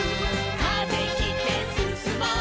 「風切ってすすもう」